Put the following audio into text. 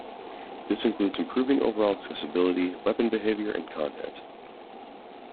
This includes improving overall accessibility, weapon behavior, and content.